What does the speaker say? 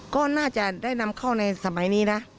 ก็น่าจะได้นำเข้าในสมัยนี้นะ